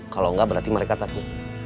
kalau enggak berarti mereka takut